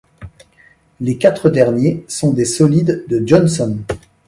Les quatre derniers sont des solides de Johnson.